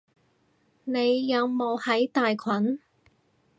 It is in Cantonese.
你有冇喺大群？